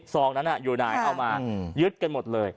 ซองนั้นน่ะอยู่ใน